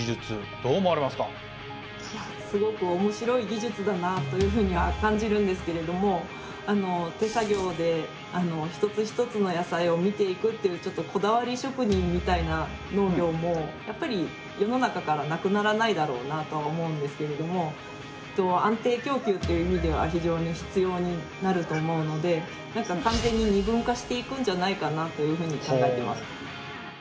すごくおもしろい技術だなというふうには感じるんですけれども手作業で一つ一つの野菜を見ていくっていうちょっとこだわり職人みたいな農業もやっぱり世の中からなくならないだろうなとは思うんですけれども安定供給っていう意味では非常に必要になると思うので完全に２分化していくんじゃないかなというふうに考えてます。